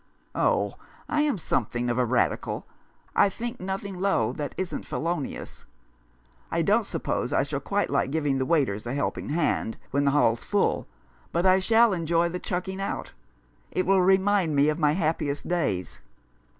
" Oh, I am something of a Radical. I think nothing low that isn't felonious. I don't suppose I shall quite like giving the waiters a helping hand when the Hall's full, but I shall enjoy the chucking out. It will remind me of my happiest days."